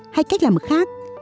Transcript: hay cách làm khác